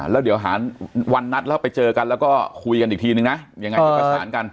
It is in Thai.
แล้วเดี๋ยวหาวันนัดแล้วไปเจอกันแล้วก็คุยกันอีกทีนึงนะยังไง